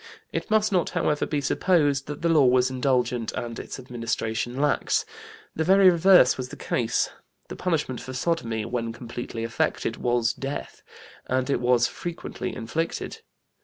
It must not, however, be supposed that the law was indulgent and its administration lax. The very reverse was the case. The punishment for sodomy, when completely effected, was death, and it was frequently inflicted.